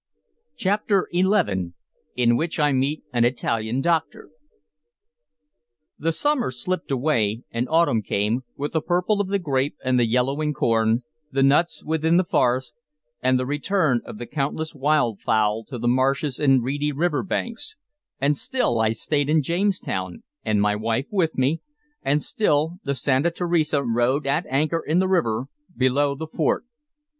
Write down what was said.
CHAPTER XI IN WHICH I MEET AN ITALIAN DOCTOR THE summer slipped away, and autumn came, with the purple of the grape and the yellowing corn, the nuts within the forest, and the return of the countless wild fowl to the marshes and reedy river banks, and still I stayed in Jamestown, and my wife with me, and still the Santa Teresa rode at anchor in the river below the fort.